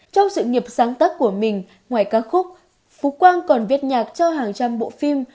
trong sự nghiệp sáng tác của mình ngoài ca khúc phú quang còn viết nhạc cho hàng trăm bộ phim